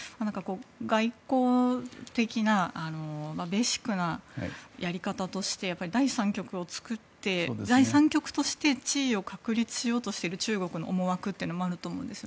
外交的なベーシックなやり方として第三極を作って、第三極として地位を確立しようとしている中国の思惑もあると思うんです。